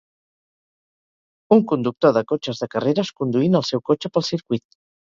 Un conductor de cotxes de carreres conduint el seu cotxe pel circuit.